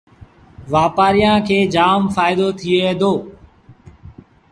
وآپآريآݩ کي جآم ڦآئيٚدو ٿئي دو